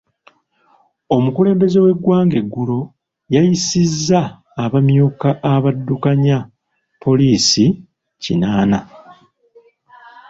Omukulembeze w'egwanga egulo yayisizza abamyuka abaddukanya poliisi kinaana .